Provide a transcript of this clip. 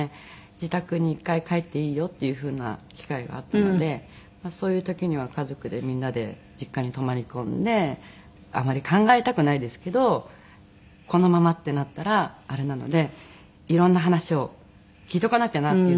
自宅に１回帰っていいよっていう風な機会があったのでそういう時には家族でみんなで実家に泊まり込んであまり考えたくないですけどこのままってなったらあれなのでいろんな話を聞いとかなきゃなっていう。